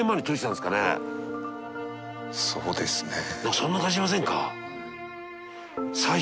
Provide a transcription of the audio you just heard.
そんな感じしませんか？